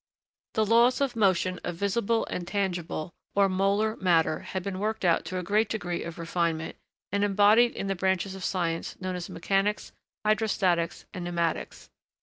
The laws of motion of visible and tangible, or molar, matter had been worked out to a great degree of refinement and embodied in the branches of science known as Mechanics, Hydrostatics, and Pneumatics.